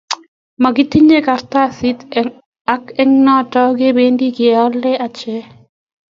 makitinye kartasit ak eng noton kibendi ke ale age